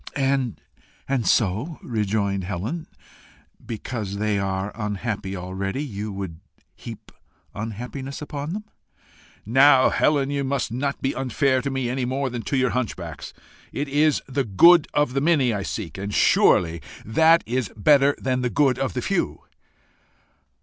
"And so," rejoined Helen, "because they are unhappy already, you would heap unhappiness upon them?" "Now, Helen, you must not be unfair to me any more than to your hunchbacks. It is the good of the many I seek, and surely that is better than the good of the few."